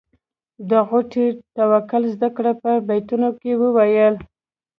د غوټۍ توکل زده کړه په بیتونو کې وویل.